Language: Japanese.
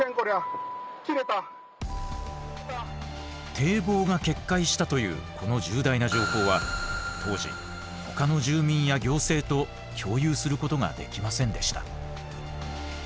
堤防が決壊したというこの重大な情報は当時ほかの住民や行政と共有することができませんでした。